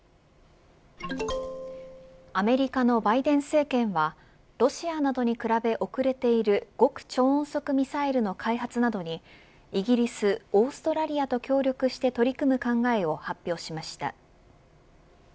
アメリカのバイデン政権はロシアなどに比べ遅れている極超音速ミサイルの開発などにイギリス、オーストラリアと協力して取り組む考えを発表しました。